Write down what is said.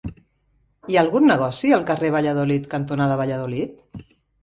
Hi ha algun negoci al carrer Valladolid cantonada Valladolid?